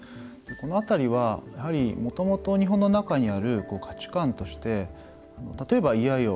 この辺りはもともと日本の中にある価値観として例えば嫌よ